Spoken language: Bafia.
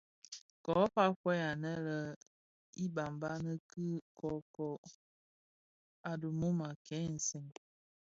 Ko fa fœug anè yè ibabana ki kōkōg a dhimum a kè nsèň.